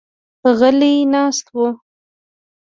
غلي ناست وو.